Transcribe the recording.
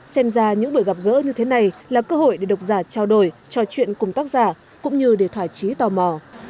xem ra những buổi gặp gỡ như thế này là cơ hội để độc giả trao đổi trò chuyện cùng tác giả cũng như để thỏa chí tò mò